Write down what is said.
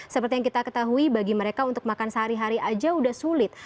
seperti yang kita ketahui bagi mereka untuk makan sehari hari aja udah sulit